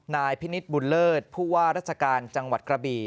นายพินิษฐ์บุญเลิศผู้ว่าราชการจังหวัดกระบี่